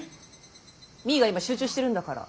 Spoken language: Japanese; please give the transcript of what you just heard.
実衣が今集中してるんだから。